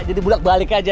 jadi bulat balik aja